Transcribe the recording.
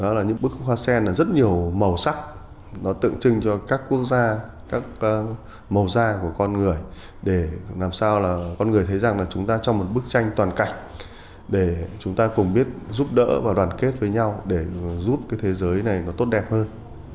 đó là những bức hoa sen là rất nhiều màu sắc nó tượng trưng cho các quốc gia các màu da của con người để làm sao là con người thấy rằng là chúng ta trong một bức tranh toàn cảnh để chúng ta cùng biết giúp đỡ và đoàn kết với nhau để giúp cái thế giới này nó tốt đẹp hơn